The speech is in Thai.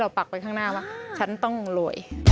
เราไม่รู้ตัว